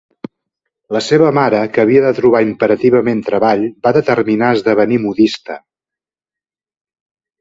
La seva mare, que havia de trobar imperativament treball, va determinar esdevenir modista.